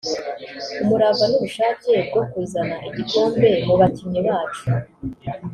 umurava n’ubushake bwo kuzana igikombe mu bakinnyi bacu